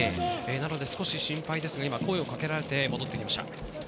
少し心配ですが、今声をかけられて戻ってきました。